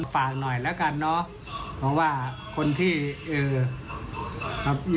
ฝากหน่อยแล้วกันเนาะหรือว่าคนที่อย่าไปทำเลย